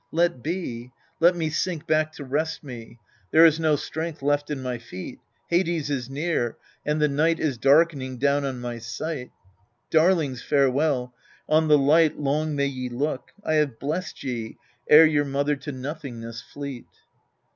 Let be let me sink back to rest me : There is no strength left in my feet. Hades is near, and the night Is darkening down on my sight. Darlings, farewell : on the lig*ht Long may ye look : I have blessed ye Ere your mother to nothingness fleet.